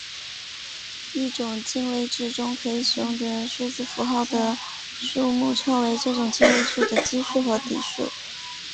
一种进位制中可以使用的数字符号的数目称为这种进位制的基数或底数。